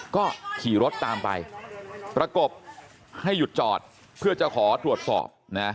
ก็ขี่รถตามไปประกบให้หยุดจอดเพื่อจะขอตรวจสอบนะ